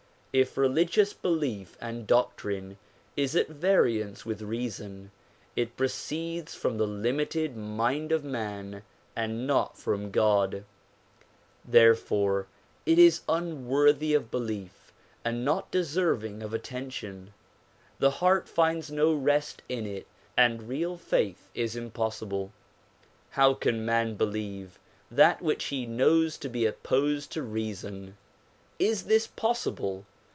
If religious belief and doctrine is at variance with reason, it proceeds from the limited mind of man and not from God; therefore it is unworthy of belief and not deserving of attention; the heart finds no rest in it and real faith is impos sible. How can man believe that which he knows to be opposed to reason? Is this possible!